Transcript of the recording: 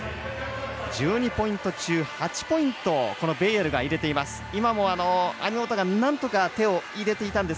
１２ポイント中、８ポイントがベイエルが入れています。